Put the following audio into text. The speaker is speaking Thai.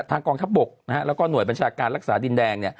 กองทัพบกแล้วก็หน่วยบัญชาการรักษาดินแดง